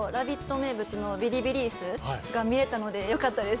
名物のビリビリ椅子が見れたのでよかったです。